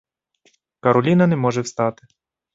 Кароліна не може встати.